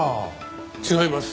違います。